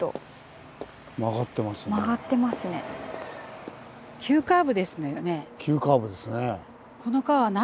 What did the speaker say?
急カーブですね。